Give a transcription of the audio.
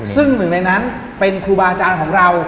ซึ่งหนึ่งในนั้นเป็นครูบาอาจารย์ของเรา